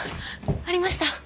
ありました。